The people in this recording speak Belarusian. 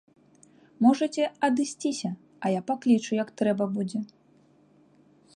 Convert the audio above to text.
Можаце адысціся, а я паклічу, як трэба будзе.